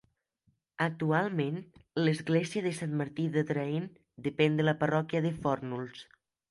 Actualment, l'església de Sant Martí d'Adraén depèn de la parròquia de Fórnols.